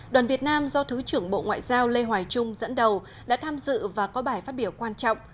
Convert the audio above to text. đoàn việt nam do thứ trưởng bộ ngoại giao lê hoài trung dẫn đầu đã tham dự và có bài phát biểu quan trọng